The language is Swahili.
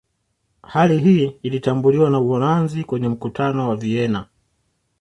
Hali hii ilitambuliwa na Uholanzi kwenye Mkutano wa Vienna